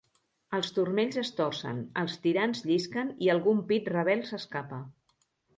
Els turmells es torcen, els tirants llisquen i algun pit rebel s'escapa.